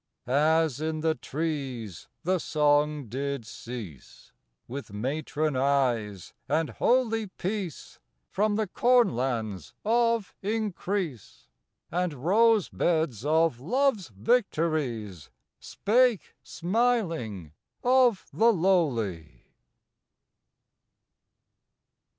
As in the trees the song did cease, With matron eyes and holy Peace, from the cornlands of increase. And rose beds of love's victories, Spake, smiling, of the lowly.